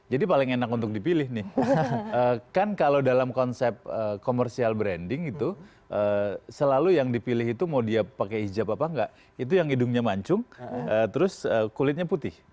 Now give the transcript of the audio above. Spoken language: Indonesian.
jadi paling enak untuk dipilih nih kan kalau dalam konsep komersial branding itu selalu yang dipilih itu mau dia pakai hijab apa nggak itu yang hidungnya mancung terus kulitnya putih